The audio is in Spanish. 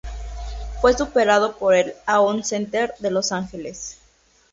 Fue superado por el Aon Center de Los Ángeles.